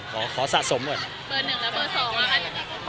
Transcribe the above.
ขอสะสมเลย